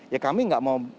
ya kami tidak mau